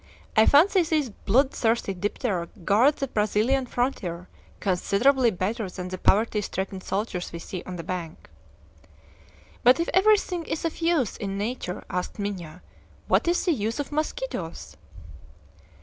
I fancy these bloodthirsty diptera guard the Brazilian frontier considerably better than the poverty stricken soldiers we see on the bank." "But if everything is of use in nature," asked Minha, "what is the use of mosquitoes?"